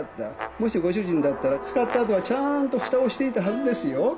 もしご主人だったら使ったあとはちゃーんと蓋をしていたはずですよ。